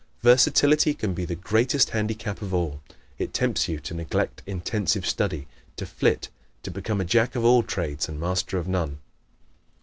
Versatility can be the greatest handicap of all; it tempts you to neglect intensive study, to flit, to become a "jack of all trades and master of none."